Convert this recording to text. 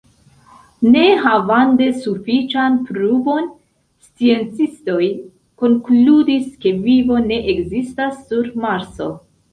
Ne havante sufiĉan pruvon, sciencistoj konkludis, ke vivo ne ekzistas sur Marso.